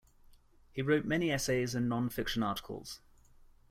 He wrote many essays and non-fiction articles.